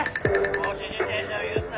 「放置自転車を許すな！